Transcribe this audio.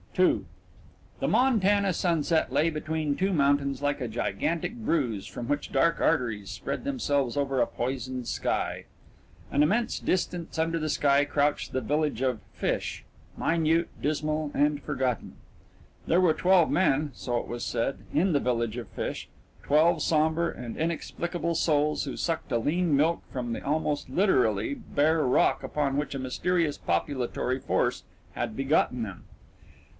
II The Montana sunset lay between two mountains like a gigantic bruise from which dark arteries spread themselves over a poisoned sky. An immense distance under the sky crouched the village of Fish, minute, dismal, and forgotten. There were twelve men, so it was said, in the village of Fish, twelve sombre and inexplicable souls who sucked a lean milk from the almost literally bare rock upon which a mysterious populatory force had begotten them.